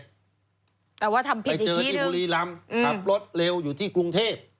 แต่ว่าทำผิดไปเจอที่บุรีรำขับรถเร็วอยู่ที่กรุงเทพ